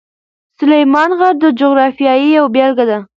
سلیمان غر د جغرافیې یوه بېلګه ده.